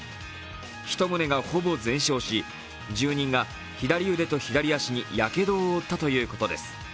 １棟がほぼ全焼し、住人が左腕と左足にやけどを負ったということです。